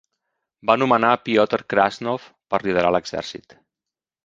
Va nomenar Pyotr Krasnov per liderar l'exèrcit.